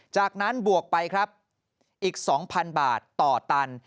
จากนั้นบวกไปครับอีก๒๐๐๐บาทต่อตัน